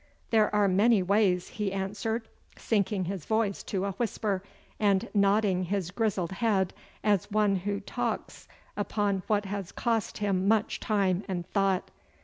'There are many ways,' he answered, sinking his voice to a whisper, and nodding his grizzled head as one who talks upon what has cost him much time and thought.